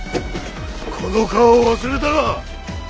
この顔を忘れたか？